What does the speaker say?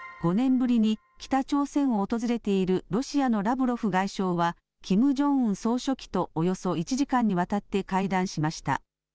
５年ぶりに北朝鮮を訪れているロシアのラブロフ外相は、キム・ジョンウン総書記とおよそ１時間にわたって会談しました。